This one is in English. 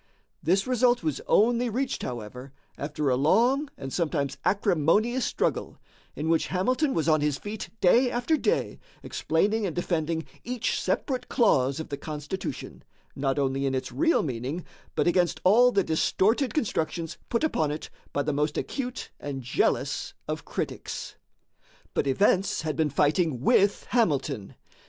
This result was only reached, however, after a long and sometimes acrimonious struggle, in which Hamilton was on his feet day after day explaining and defending each separate clause of the Constitution, not only in its real meaning, but against all the distorted constructions put upon it by the most acute and jealous of critics. But events had been fighting with Hamilton.